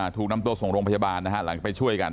ถูกนำตัวส่งโรงพยาบาลนะฮะหลังจากไปช่วยกัน